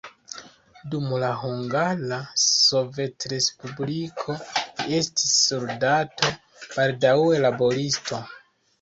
Dum la Hungara Sovetrespubliko li estis soldato, baldaŭe laboristo.